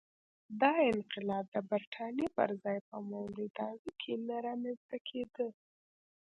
دا انقلاب د برېټانیا پر ځای په مولداوي کې نه رامنځته کېده.